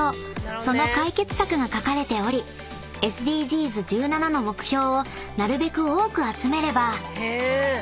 その解決策が書かれておりＳＤＧｓ１７の目標をなるべく多く集めれば］